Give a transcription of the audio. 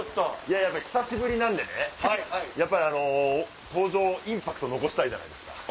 やっぱ久しぶりなんでね登場インパクト残したいじゃないですか。